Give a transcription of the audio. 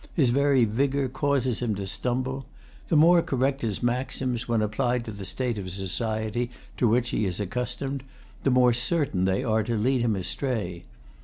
His very vigor causes him to stumble. The more correct his maxims, when applied to the state of society to which he is accustomed, the more certain they are to lead him astray.